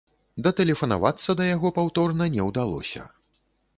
Датэлефанавацца да яго паўторна не ўдалося.